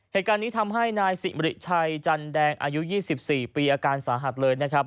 เหตุการณ์นี้ทำให้นายสิริชัยจันแดงอายุ๒๔ปีอาการสาหัสเลยนะครับ